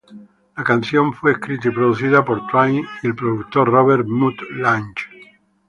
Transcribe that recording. La canción fue escrita y producida por Twain y el productor Robert "Mutt" Lange.